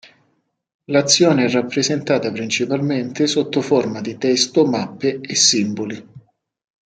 L'azione è rappresentata principalmente sotto forma di testo, mappe e simboli.